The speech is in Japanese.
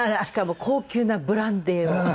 しかも高級なブランデーを。